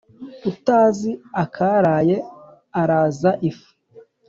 Utazi akaraye araza ifu.